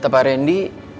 kata pak rendy